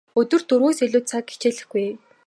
Өдөрт дөрвөөс илүү цаг хичээллэхгүй.